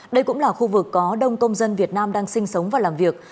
đây cũng là khu vực có đông công dân việt nam đang sinh sống và làm việc